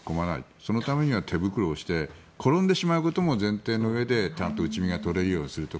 そのためには手袋をして転んでしまうことも前提のうえで受け身が取れるようにと。